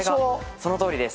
そのとおりです。